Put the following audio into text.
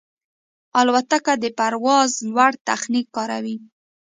الوتکه د پرواز لوړ تخنیک کاروي.